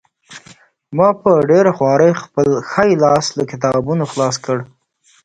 ما په ډېره خوارۍ خپل ښی لاس له کتابونو خلاص کړ